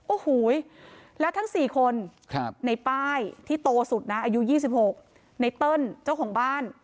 โอ้โหแล้วทั้ง๔คนในป้ายที่โตสุดนะอายุ๒๖ในเติ้ลเจ้าของบ้าน